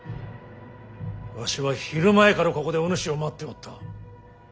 わしは昼前からここでおぬしを待っておった。